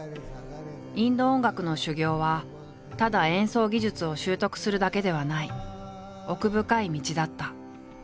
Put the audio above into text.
インド音楽の修業はただ演奏技術を習得するだけではない奥深い道だった。